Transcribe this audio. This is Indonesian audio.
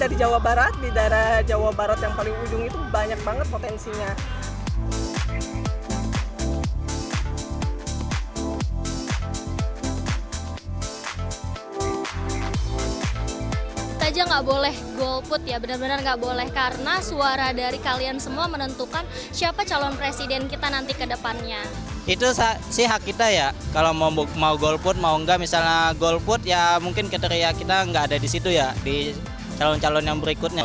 itu sih hak kita ya kalau mau golput mau enggak misalnya golput ya mungkin kriteria kita gak ada di situ ya di calon calon yang berikutnya